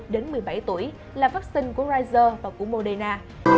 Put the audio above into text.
đến một mươi bảy tuổi là vắc xin của pfizer và của moderna